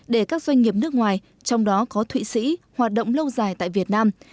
để các doanh nghiệp nước ngoài trong đó có thụy sĩ hoạt động lâu dài tại việt nam